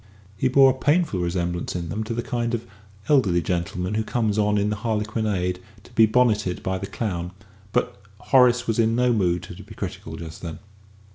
He bore a painful resemblance in them to the kind of elderly gentleman who comes on in the harlequinade to be bonneted by the clown; but Horace was in no mood to be critical just then.